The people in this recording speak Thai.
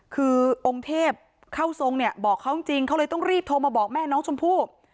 คือองค์เทพเข้าทรงเนี่ยบอกเขาจริงเขาเลยต้องรีบโทรมาบอกแม่น้องชมพู่